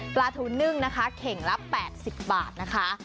ปลาทูนึ่งนะคะเข่งละ๘๐บาทนะคะ